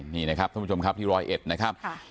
นี่นะครับท่านผู้ชมครับที่ร้อยเอ็ดนะครับ